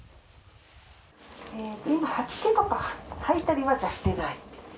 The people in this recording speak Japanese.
今、吐き気とか、吐いたりとかは、じゃあ、してない？